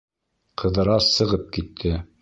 Ҡыҙырас сығып китте.